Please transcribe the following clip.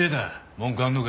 文句あんのか？